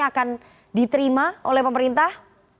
akan diterima oleh pemerintah